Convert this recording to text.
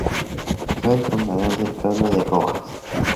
Fue el fundador del pueblo de Rojas.